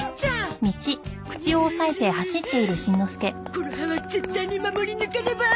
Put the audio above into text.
この歯は絶対に守り抜かねば。